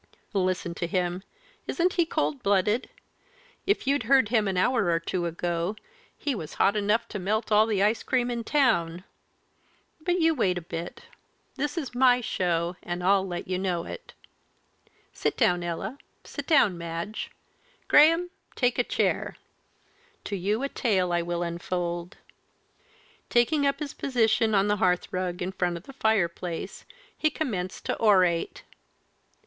"Listen to him. Isn't he cold blooded? If you'd heard him an hour or two ago, he was hot enough to melt all the ice cream in town. But you wait a bit. This is my show, and I'll let you know it. Sit down, Ella sit down, Madge Graham, take a chair. To you a tale I will unfold." Taking up his position on the hearthrug in front of the fireplace, he commenced to orate.